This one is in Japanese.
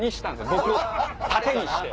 僕を盾にして。